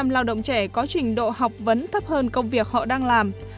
hai mươi ba năm lao động trẻ có trình độ học vấn thấp hơn công việc họ đang làm